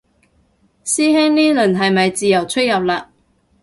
師兄呢輪係咪自由出入嘞